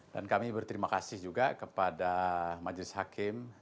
dan kami berterima kasih juga kepada majelis hakim